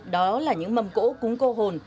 đó là những mâm cỗ cúng cô hồn